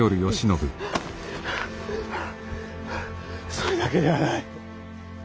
それだけではない。